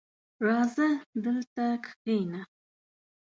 راځه دلته کښېنه!